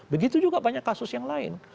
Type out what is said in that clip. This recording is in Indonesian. begitu juga banyak kasus yang lain